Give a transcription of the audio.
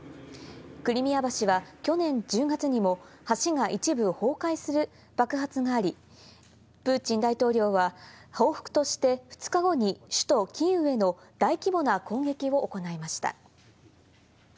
クリミア橋は去年１０月にも橋が一部崩壊する爆発があり、プーチン大統領は報復として、２日後に首都キーウへの大規模な攻撃を行いました。